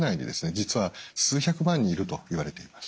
実は数百万人いるといわれています。